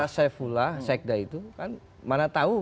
pak saifullah saikda itu kan mana tahu